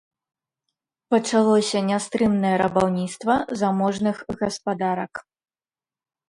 Пачалося нястрымнае рабаўніцтва заможных гаспадарак.